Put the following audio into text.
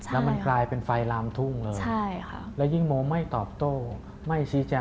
แล้วมันกลายเป็นไฟลามทุ่งเลยแล้วยิ่งโมไม่ตอบโต้ไม่ชี้แจง